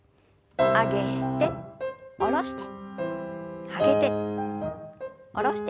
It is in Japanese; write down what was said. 上げて下ろして上げて下ろして。